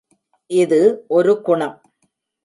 இது ஒரு குணம்.